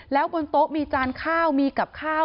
แล้วบนโต๊ะมีจานข้าวมีกับข้าว